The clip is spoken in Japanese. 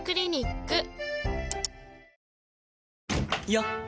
よっ！